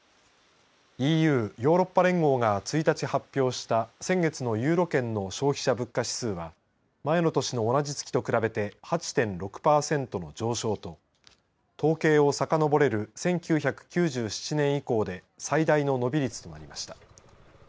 ＥＵ、ヨーロッパ連合が１日発表した先月のユーロ圏の消費者物価指数は前の年の同じ月と比べて８．６パーセントの上昇と統計をさかのぼれる１９９７年以降で最大の伸び率となりました。